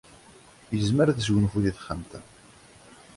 Yezmer ad yesgunfu deg texxamt-a.